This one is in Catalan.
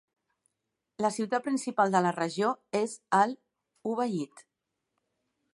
La ciutat principal de la regió és Al-Ubayyid.